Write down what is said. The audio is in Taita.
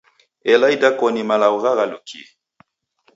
Ela idakoni malagho ghaghalukie.